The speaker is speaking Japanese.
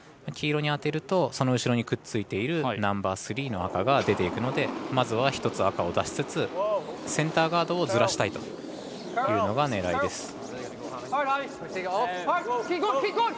黄色に当てるとその後ろにくっついているナンバースリーの赤が出ていくので、まずは１つ赤を出しつつ、センターガードをずらしたいというの狙いです。